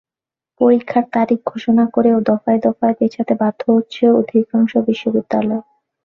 পরীক্ষার তারিখ ঘোষণা করেও দফা দফায় পেছাতে বাধ্য হচ্ছে অধিকাংশ বিশ্ববিদ্যালয়।